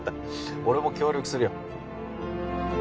俺も協力するよ